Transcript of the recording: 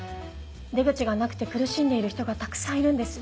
出口がなくて苦しんでいる人がたくさんいるんです。